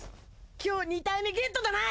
今日２体目ゲットだな！